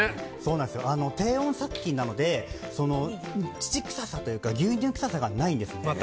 低温殺菌なので乳臭さというか牛乳臭さがないんですね。